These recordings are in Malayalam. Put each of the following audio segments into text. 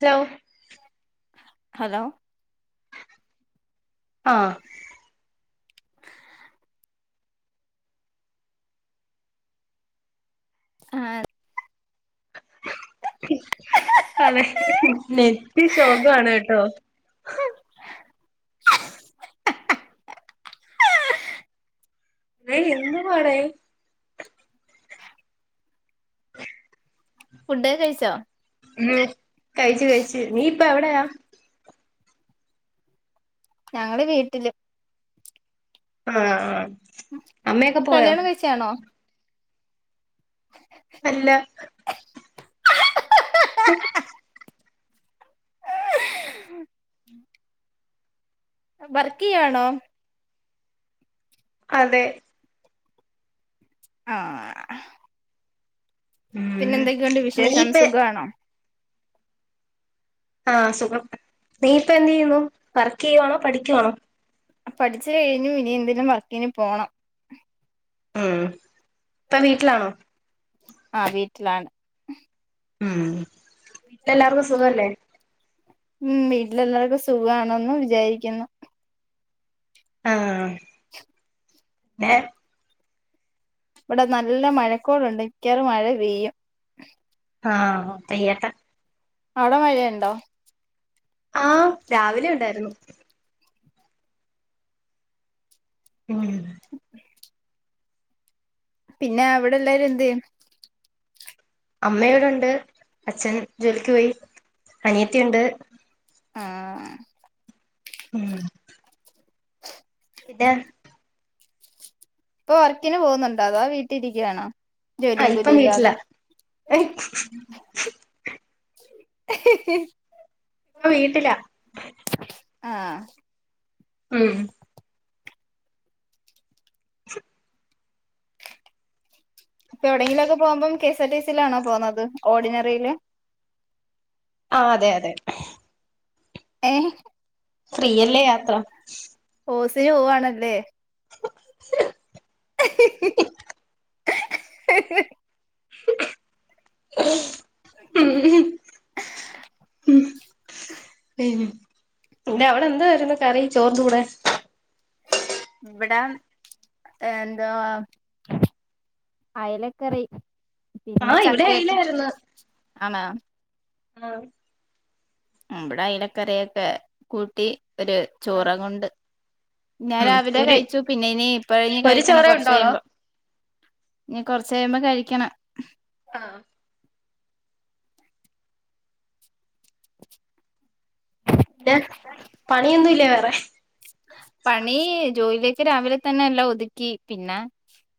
ഹലോ ഹലോ ആഹ് ആത് അത് ഉം അള നെത്തിി ശോകന്ന് കേട്ടോ ടെ ഇന്ന് പോരെ ഫുഡൊക്കെ കഴിച്ചോ? ഉ കഴച് കഴച് നീ പ്പ എവിടെയാ ഞങ്ങള വീട്ടില് ആആ ഉം കല്യാണം കഴിച്ചാന്നോ ഉ [inaudible] അല്ലഅഹ് ഉ [unintelligible] വർക്ക് യ്വാണോ അതെ ആ അഹ് പിന്നെ ഉം എന്തൊക്കെയുണ്ട് വിശേഷം നീയിപ്പ സുഖാണോ ആഹ സുഖം നീയിപ്പ എന്ത് ചെയ്യുന്നു വർക്ക് ചെയ്യുവാണോ പഠിക്കുവാണോ പഠിച്ചു കഴിഞ്ഞു ഇനി എനതെലും ലും വർക്കിന് പോണം ഉം ഇപ്പൊ വീട്ടിലാണോ ആ വീട്ടിലാണ് ഉം വീട്ടിലെല്ലാർക്കും സുഖല്ലേ ഉം വീട്ടിലെല്ലാർക്കും സുഖാണന്ന് വിചാരിക്കുന്നു ആഹ് ഏ ഇവിടെ നല്ല മഴക്കോളുണ്ട് മിക്കയാറും മഴ പെയ്യും ആ പെയ്യട്ടെ അവടെ മഴയൊണ്ടോ ആ രാവിലെ ഉണ്ടാരുന്നു ഉം പിന്നെ അവിടെ എല്ലാരും എന്തിയെ അമ്മയിവിടുണ്ട് അച്ഛൻ ജോലിക്ക് പോയി അനിയത്തി ഉണ്ട് ആ ആ ഉം [unintelligible] ഇപ്പൊ വർക്കിന് പോകുന്നുണ്ടോ അതോ വീട്ടീരിക്കുവാണോ ആ ജോലിയും ഇപ്പം കൂലിയും ഇല്ലാതെ വീട്ടിലാ ഇപ്പം [unintelligible] ഇപ്പ വീട്ടിലാ ആഹ് ഉം [inaudible] ഇപ്പൊ എവിടെങ്കിലൊക്കെ പോകുമ്പം കെ എസ്ആർടിസിയിലാണോ പോകുന്നത് ഓർഡിനറിയില് ആ അതെ അതെ ഏ ഫ്രീയല്ലേ യാത്ര ഇതിനു പോവാണല്ലേ [unintelligible] [inaudible] [inaudible] [unintelligible] പിന്നെ അവടെ എന്തുവാരുന്നു കറി ചോറിൻ്റെ കൂടെ ഇവടെ എന്താ അയലക്കറി ആ പിന്നെ ഇവിടെ ചക്കയൊക്കെ അയിലായിരുന്നു ആണോ ആ ഇവടെ അയലക്കറിയൊക്കെ കൂട്ടി ഒരു ആ ചോറ ങ്ങുണ്ട് ഞാൻ ഉം രാവിലെ ഒരു കഴിച്ചു പിന്നെ ഇനി ഇപ്പഴനി ഒരു കഴിക്കണം ചോറേ കൊറച്ച് ഉണ്ടോളോ കഴിയുമ്പോ ഇനി കൊറച്ച് കൈയുമ്പോ കഴിക്കണം ആ പിന്നെ പണിയൊന്നും ഇല്ലേ വേറെ പണി ജോലിയൊക്കെ രാവിലെതന്നെ എല്ലാ ഒതുക്കി പിന്നെ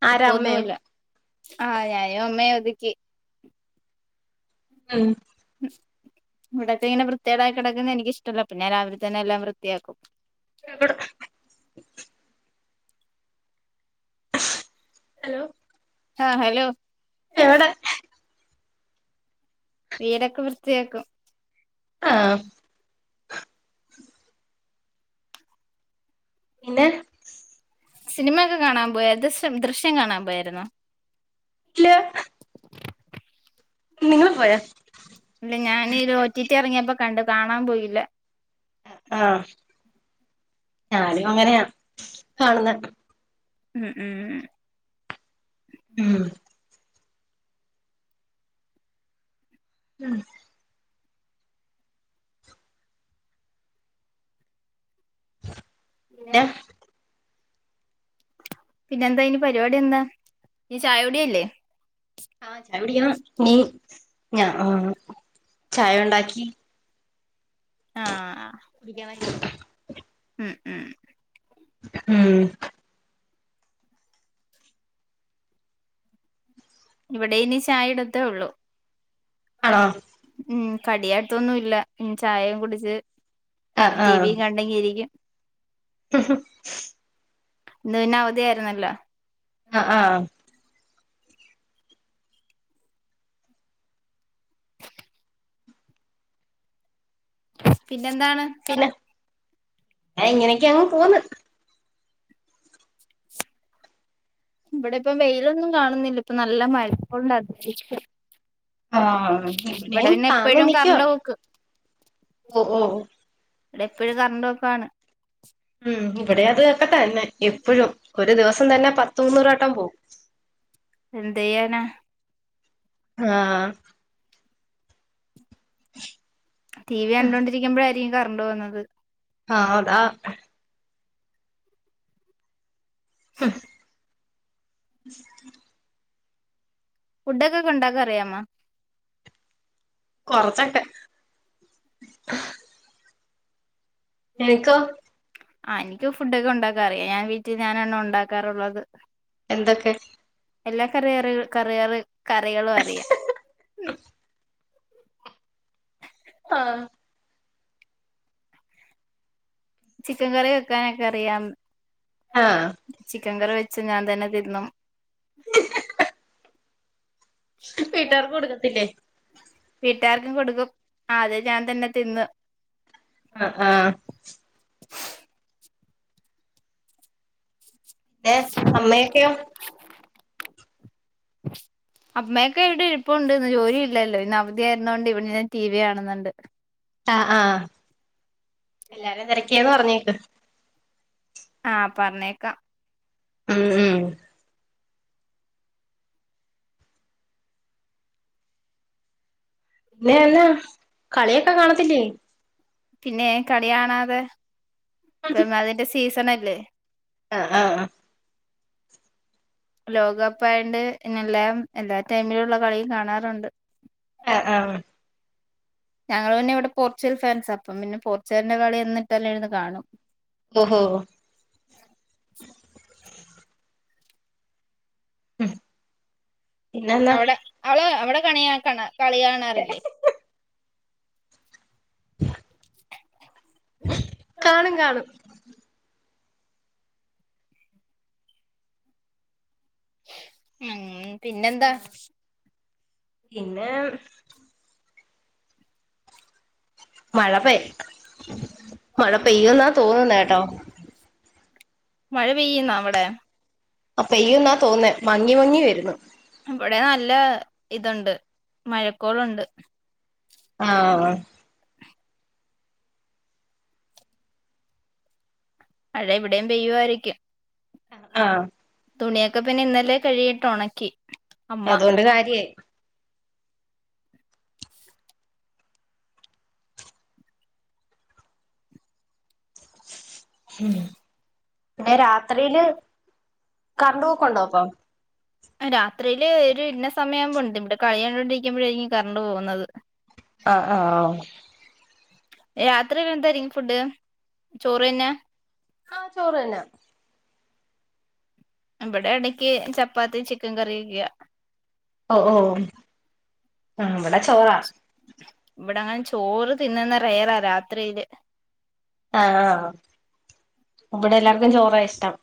ആരാ അമ്മയോ ഇപ്പൊന്നുല്ലാ ആ ഞായും അമ്മെയുഒതുക്കി ഉം ഇവിടക്കെ ഇങ്ങനെ വൃത്തിയേടായി കിടക്കുന്നേ എനിക്കിഷ്ടല്ലാ പിന്നെ രാവിലെ തന്നെ എല്ലാം വൃത്തിയാക്കും [unintelligible] ഹലോ ആ ഹലോ എവടെ വീടൊക്കെ വൃത്തിയാക്കും ആമ് പിന്നെ സിനിമ ഒക്കെ കാണാൻ പോയ ദശം ദൃശ്യം കാണാൻ പോയിരുന്നോ ഇല്ലാഅഹ് ഇല്ല ഞാനീ ലോറ്റിറ്റ് ഇറങ്ങിയപ്പോ കണ്ടു കാണാൻ പോയില്ല ആഞാനും അങ്ങനെയാ കാണുന്നേ ഉം ഉം [unintelligible] ഉം [inaudible] ഉം ഏ പിന്നെ പിന്നെ എന്താ ഇന്നീ പരിപാടി എന്താ നി ചായകുടിയല്ലേ ആചായ കുടിക്കണം നീ ഞ ആ ചായ ഉണ്ടാക്കി ആഹ കുടിക്കാന ഉം ഉം ഇവിടെ ഇനി ആണോ ഉം കടിയായിട്ടോന്നും ഇല്ല ചായയും കുടിച്ച് ടിവിം കണ്ടെങ്കി ഇരിക്കും ആ ഇന്ന് പിന്നെ അവധിയ ആായിരുന്നല്ലോ ആഹ ആഹ പിന്നെന്താണ് ഇങ്ങനെയൊക്കെയ അങ്ങ് പോന്ന് ഉ ഇവിടെപ്പം വെയിലൊന്നും കാണുന്നില്ല ഇപ്പ നല്ല മയപ്പണ്ട് ആഹ ഇവിടെയും താന്ന എപ്പഴും നിക്കുവ കറണ്ട് പോക്ക് ഓ ഓ ഇവിടെ എപ്പഴും കറണ്ട്പോക്കാണ് ഉം ഇവിടെ അത് ഒക്കെ തന്നെ എപ്പഴും ഒരു ദിവസം തന്നെ പത്ത് മൂന്നൂറോട്ടം പോവും എന്ധെയ്യാനാ ആഹ ഉം ടി വി കണ്ടോണ്ടിരിക്കുമ്പോഴായിരിക്കും കറണ്ട് പോവുന്നത് ആഹതാ ഹം ഫുഡൊക്കെ ഉണ്ടാക്കാൻ അറിയാമോ കൊറച്ചൊക്കെ നിനക്കോ ആ്നനിക്ക് ഫുഡൊക്കെ ഉണ്ടാക്കാറിയാം ഞാൻ വീട്ടിൽ ഞാനാണ്ണ് ഉണ്ടാക്കാറുള്ളത് എന്തൊക്കെ എല്ലാ കറിറ കറുകറി കറികളും അറിയാം ആഹ ചിക്കൻ കറി വെക്കാനൊക്കെ അറിയാം ആഹ ചിക്കൻ കറി വെച്ച് ഞാൻ തന്നെ തിന്നും ഹം [unintelligible] വീട്ടുകാർക്ക് കൊടുക്കത്തില്ലേ വീട്ടാർക്കും കൊടുക്കും അതെ ഞാൻ തന്നെ തിന്ന് ആഹ ആഹ ഹം ഏ അമ്മയൊക്കെയോ അമ്മയൊക്കെ ഇവിടെ ഇരിപ്പുണ്ട് ഇന്ന് ജോലി ഇല്ലല്ലോ ഇന്ന് അവധിയ ആരുന്നൊണ്ട് ഇവിടെ ടി വി കാണുന്നുണ്ട് ആഹ ആഹ എല്ലാരും തിരക്കിയാന്ന് പറഞ്ഞേക്ക് ആഹ പറഞ്ഞേക്കാം ഉം ഉം പിന്നെന്നാ കളിയൊക്കെ കാണത്തില്ലേ പിന്നെ കളി കാണാതെ ഇപ്പം അതിന്റെ സീസണ അല്ലേ ആഹ് ആഹ ആഹ ലോകകപ്പ് ആായണ്ട് എല്ലാം എല്ലാ ടൈമിലുംള്ള കളിയും കാണാറുണ്ട് ആഹ ആഹ ഞങ്ങൾ പിന്നെ ഇവിടെ പോർച്ചുഗൽ ഫാൻസ് അപ്പം പിന്നെ പോർച്ചുഗലിന്റെ കളി എന്നിട്ടല്ലേ ഇരുന്ന് കാണും ഓ ഹൊ ഉം അവിടെ അവള അവിടെ കണിയണ കളി കാണാറില്ലേ കാണും കാണും ഉം പിന്നെന്താ പിന്നെ മഴ പെയ്യ മഴ പെയ്യ എന്നാ തോന്നുന്ന കേട്ടോ മഴ പെയ്യുന്നാ അവിടെ ആ പെയ്യുന്ന തോന്നേ ഇവിടെ നല്ല ഇതുണ്ട് മഴക്കോളുണ്ട് ആ ആ പഴ ഇവിടെയും പെയ്യുയയിരിക്കും ആ തുണിയൊക്കെ പിന്നെ ഇന്നലെ കഴിയിട്ട് ഉണക്കി അതുകൊണ്ട് കാര്യേ ഉം പിന്നെ രാത്രിയില് കരണ്ട് പൂക്കുണ്ടോ അപ്പം രാത്രിയില് ഒരു ഇന്ന സമയം ആവുമ്പോണ്ട് ഇവിടെ കളിയണ്ടോണ്ടിരിക്കുമ്പോഴായിരിക്കും കറണ്ട് പോകുന്നത് ആ ആ രാത്രി വന്തായിരിക്കും ഫുഡ് ചോറ് തന്നെ ആ ചോറ് തന്നാ ഇവിടെ ഇടക്ക് ചപ്പാത്തി ചിക്കൻ കറി ഒക്കാ ഓ ഓ ഓ ആള ഇവിടെങ്ങനെ ചോറ് തിന്നുന്ന റയറാ രാത്രിയില് ആ ആ ഇവിടെ എല്ലാർക്കും ചോറ ഇഷ്ടം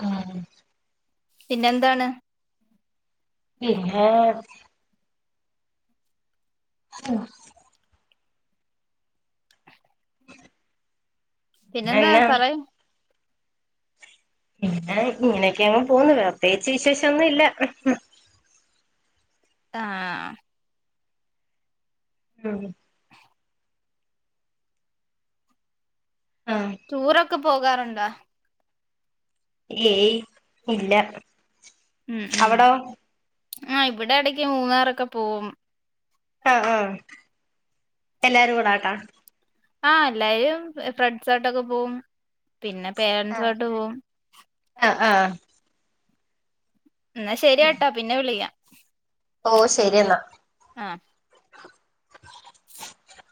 ആ പിന്നെ എന്താണ് പിന്നെ ആ പിന്നെന്താ എന്നാ പറയാ ഇങ്ങനെയൊക്കെ അങ്ങ പോന്നു പ്രത്യേകിച്ച് വിശേഷം ഒന്നും ഇല്ല ആ..... ഉം... ആഹ് ടൂറൊക്കെ പോകാറുണ്ടോ ഏയ് ഇല്ല അവിടോ ആ ഇവിടെ ഇടക്ക് മൂന്നാറൊക്കെ പോവും ആ ആ എല്ലാരും കൂടാട്ടാ ആ എല്ലായരും ഫ്രഡ്സാർട്ടൊക്കെ പോകവും പിന്നെ ആഹ് പേരൻസായ്ട്ട് പോവും ആഹ് ആഹ് ന്നാ ശരിയെട്ടാ പിന്നെ വിളിക്കാ ഓഹ് ശരിയെന്നാ ആഹ് [inaudible] [inaudible]